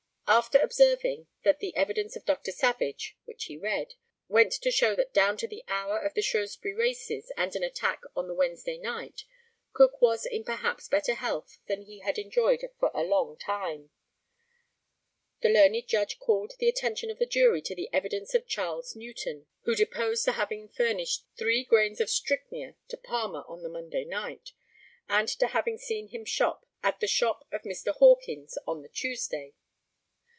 After observing that the evidence of Dr. Savage [which he read] went to show that down to the hour of the Shrewsbury races and the attack on the Wednesday night, Cook was in perhaps better health than he had enjoyed for along time, the learned Judge called the attention of the jury to the evidence of Charles Newton, who deposed to having famished three grains of strychnia to Palmer on the Monday night, and to having seen him at the shop of Mr. Hawkins on the Tuesday.